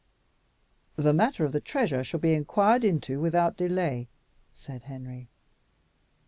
"The matter of the treasure shall be inquired into without delay," said Henry.